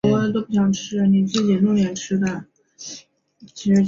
库克群岛体育与国家奥林匹克委员会是库克群岛的国家奥林匹克委员会。